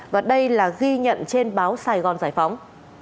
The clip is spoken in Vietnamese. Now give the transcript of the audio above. và đây là ghi nhận trên báo sài gòn giải phóng